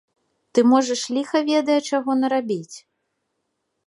Ты можаш ліха ведае чаго нарабіць.